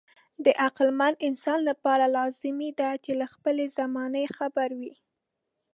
د عقلمن انسان لپاره لازمي ده چې له خپلې زمانې خبر وي.